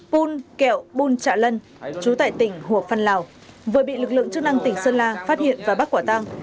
pun kẹo pun trạ lân chú tại tỉnh hùa phân lào vừa bị lực lượng chức năng tỉnh sơn la phát hiện và bắt quả tăng